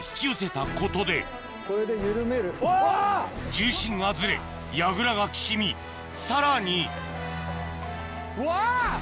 重心がずれ櫓がきしみさらにうわ！